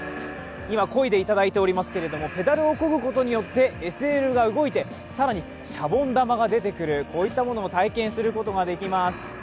今、こいでいただいてますけどペダルをこぐことによって、ＳＬが動いて更にシャボン玉が出てくる、こういったものも体験することができます。